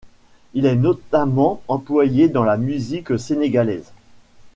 Il est notamment employé dans la musique sénégalaise.